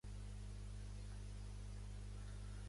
Les cançons castellanes es poden traduir i cantar en català?